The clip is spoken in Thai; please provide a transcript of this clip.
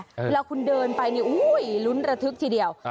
เมื่อคุณเดินไปลุ้นระทึกทีเดียว